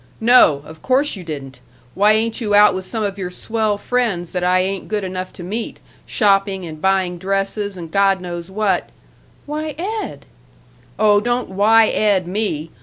"No! Of course you didn't. Why ain't you out with some of your swell friends that I ain't good enough to meet, shopping, and buying dresses, and God knows what " "Why, Ed!" "Oh, don't 'why Ed' me!